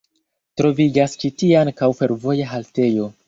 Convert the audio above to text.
Troviĝas ĉi tie ankaŭ fervoja haltejo.